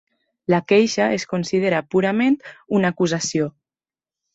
La queixa es considera purament una acusació.